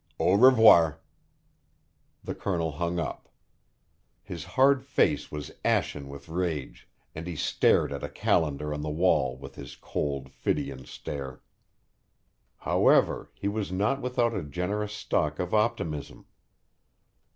Au revoir." The Colonel hung up. His hard face was ashen with rage, and he stared at a calendar on the wall with his cold, phidian stare. However, he was not without a generous stock of optimism.